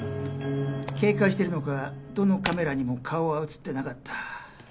警戒してるのかどのカメラにも顔は映ってなかった。